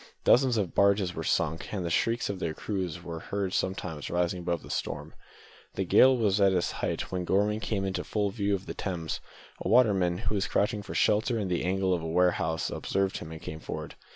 Dozens of barges were sunk, and the shrieks of their crews were heard sometimes rising above the storm. The gale was at its height when Gorman came into full view of the Thames. A waterman, who was crouching for shelter in the angle of a warehouse, observed him, and came forward.